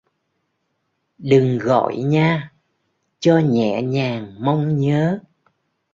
Đừng gọi nha, cho nhẹ nhàng mong nhớ